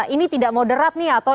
ini tidak moderat nih